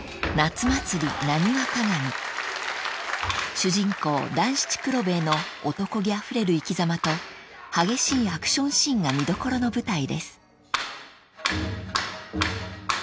［主人公団七九郎兵衛のおとこ気あふれる生きざまと激しいアクションシーンが見どころの舞台です］